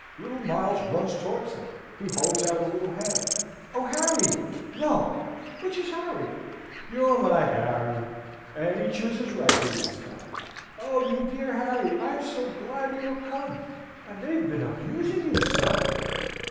Little Miles runs towards them. He holds out a little hand. "Oh, Harry! No! which is Harry? You're my Harry," and he chooses rightly this time. "Oh, you dear Harry! I'm so glad you are come! and they've been abusing you so!"